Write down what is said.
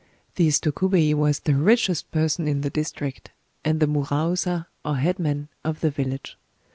This Tokubei was the richest person in the district, and the muraosa, or headman, of the village.